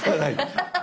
アハハハ。